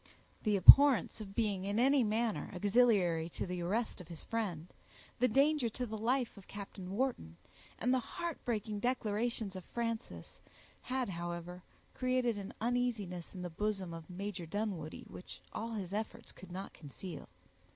The abhorrence of being, in any manner, auxiliary to the arrest of his friend; the danger to the life of Captain Wharton; and the heart breaking declarations of Frances, had, however, created an uneasiness in the bosom of Major Dunwoodie, which all his efforts could not conceal.